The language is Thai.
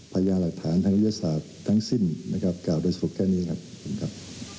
พยายามหลักฐานทางวิทยาศาสตร์ทั้งสิ้นกล่าวโดยสมุทรแค่นี้ครับ